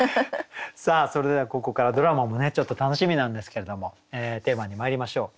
さあそれではここからドラマもねちょっと楽しみなんですけれどもテーマにまいりましょう。